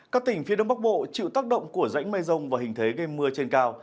các tỉnh phía đông bắc bộ chịu tác động của rãnh mây rông và hình thế gây mưa trên cao